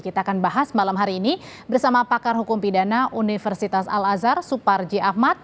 kita akan bahas malam hari ini bersama pakar hukum pidana universitas al azhar suparji ahmad